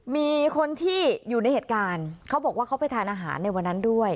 มีคนที่อยู่ในเหตุการณ์เขาบอกว่าเขาไปทานอาหารในวันนั้นด้วย